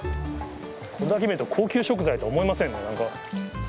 これだけ見ると、高級食材とは思えませんね、なんか。